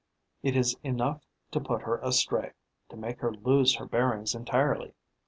It is enough to put her astray, to make her lose her bearings entirely.